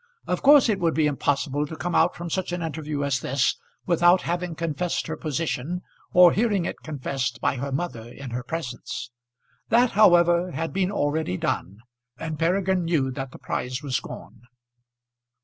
Of course it would be impossible to come out from such an interview as this without having confessed her position, or hearing it confessed by her mother in her presence. That, however, had been already done, and Peregrine knew that the prize was gone.